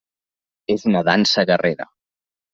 És una dansa guerrera.